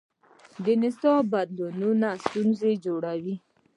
د نصاب بدلونونه ستونزې جوړوي.